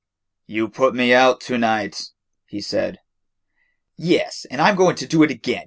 "You put me out to night," he said. "Yes, and I 'm going to do it again.